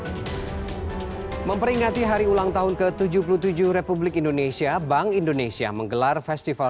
hai memperingati hari ulang tahun ke tujuh puluh tujuh republik indonesia bank indonesia menggelar festival